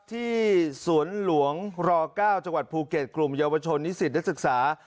ที่สวนหลวงร๙จังหวัดภูเก็ตกลุ่มเยาวชนนิสิตนักศึกษา